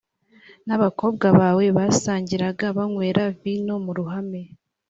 n’abakobwa bawe basangiraga banywera vino mu ruhame